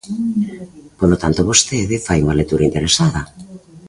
Polo tanto vostede fai unha lectura interesada.